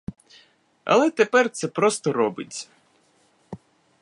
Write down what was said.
Але тепер це просто робиться.